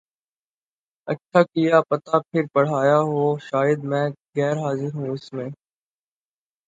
اچھا کیا پتا پھر پڑھایا ہو شاید میں غیر حاضر ہوں اس میں